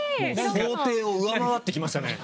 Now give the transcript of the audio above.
想定を上回ってきましたね。